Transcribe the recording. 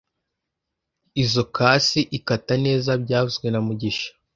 Izoi kasi ikata neza byavuzwe na mugisha